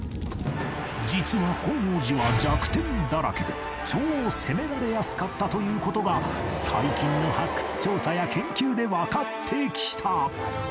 実は本能寺は弱点だらけで超攻められやすかったという事が最近の発掘調査や研究でわかってきた